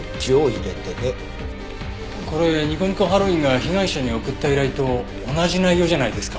これにこにこハロウィーンが被害者に送った依頼と同じ内容じゃないですか。